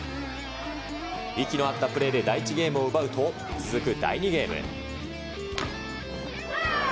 息の合ったプレーで第１ゲームを奪うと、続く第２ゲーム。